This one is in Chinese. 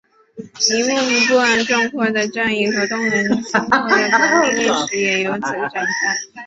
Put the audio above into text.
一幕幕波澜壮阔的战役和动人心魄的革命历史也由此展开。